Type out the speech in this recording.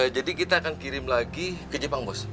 jadi kita akan kirim lagi ke jepang bos